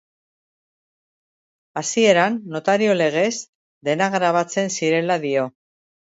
Hasieran, notario legez, dena grabatzen zirela dio.